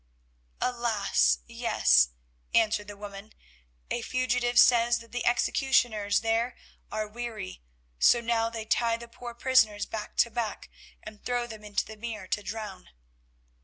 "Alas! yes," answered the woman. "A fugitive says that the executioners there are weary, so now they tie the poor prisoners back to back and throw them into the mere to drown."